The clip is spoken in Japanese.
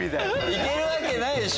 いけるわけないでしょ。